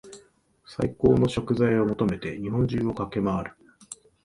最高の食材を求めて日本中を駆け回る